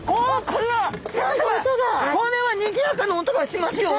これはにぎやかな音がしますよ！